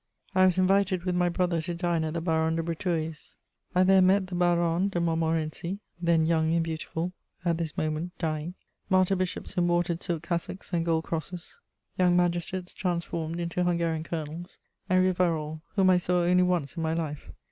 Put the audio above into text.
I was invited with my brother to dine at the Baron de Breteuil's; I there met the Baronne de Montmorency, then young and beautiful, at this moment dying; martyr bishops in watered silk cassocks and gold crosses; young magistrates transformed into Hungarian colonels; and Rivarol, whom I saw only once in my life.